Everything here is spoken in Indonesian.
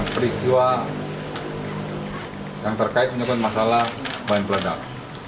peristiwa yang terkait menyebabkan masalah bahan bahan